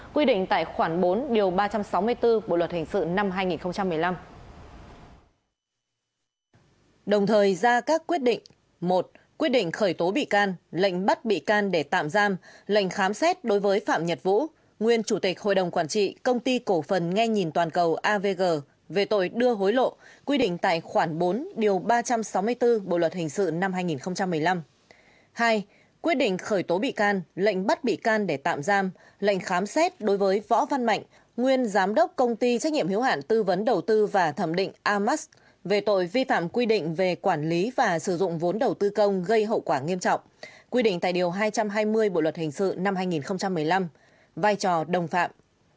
ba quyết định khởi tố bị can lệnh bắt bị can để tạm giam lệnh khám xét đối với hoàng duy quang là nhân viên công ty trách nhiệm hiếu hạn tư vấn đầu tư và thẩm định amas về tội vi phạm quy định về quản lý và sử dụng vốn đầu tư công gây hậu quả nghiêm trọng quy định tại điều hai trăm hai mươi bộ luật hình sự năm hai nghìn một mươi năm vai trò đồng phạm